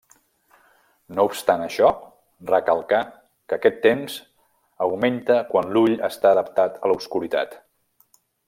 No obstant això, recalcà que aquest temps augmenta quan l'ull està adaptat a l'obscuritat.